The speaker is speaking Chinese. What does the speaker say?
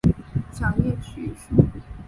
小叶榉树